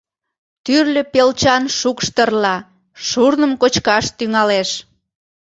Тӱрлӧ пелчан шукш тырла, шурным кочкаш тӱҥалеш.